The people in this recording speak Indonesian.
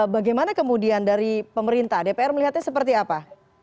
bagaimana kemudian dari pemerintah dpr melihatnya seperti apa